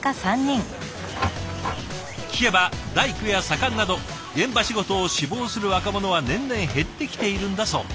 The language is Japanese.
聞けば大工や左官など現場仕事を志望する若者は年々減ってきているんだそう。